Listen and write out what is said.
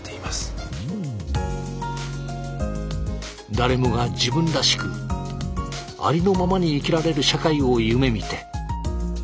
誰もが自分らしくありのままに生きられる社会を夢みて。